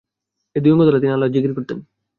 এ দুই অংগ দ্বারা তিনি আল্লাহর যিকির করতেন।